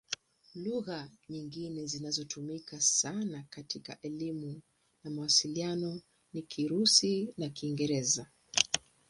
Lugha nyingine zinazotumika sana katika elimu na mawasiliano ni Kirusi na Kiingereza.